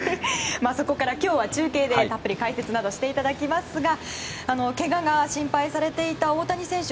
そこから今日は中継でたっぷり解説していただきますがけがが心配されていた大谷選手